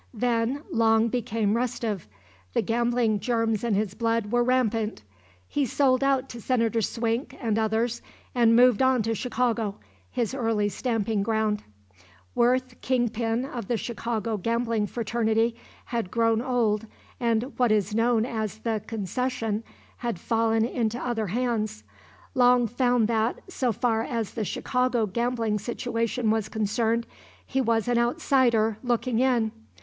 Then Long became restive. The gambling germs in his blood were rampant. He sold out to Senator Swink and others and moved on to Chicago, his early stamping ground. Worth, kingpin of the Chicago gambling fraternity, had grown old and what is known as the "concession" had fallen into other hands. Long found that, so far as the Chicago gambling situation was concerned, he was an outsider looking in.